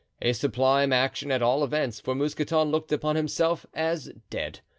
A sublime action, at all events, for Mousqueton looked upon himself as dead.